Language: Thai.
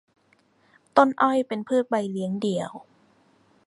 ต้นอ้อยเป็นพืชใบเลี้ยงเดี่ยว